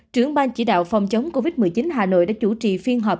trưởng ban chỉ đạo phòng chống covid một mươi chín hà nội đã chủ trì phiên họp